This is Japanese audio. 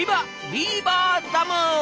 ビーバーダム！